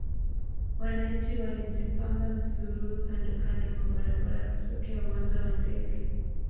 Wananchi walijipanga msururu kandokando mwa barabara kutokea uwanja wa ndege